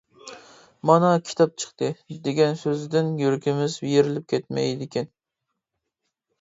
مانا «كىتاب چىقتى» دېگەن سۆزدىن يۈرىكىمىز يېرىلىپ كەتمەيدىكەن.